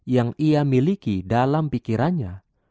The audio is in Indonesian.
yang ia miliki dalam pikirannya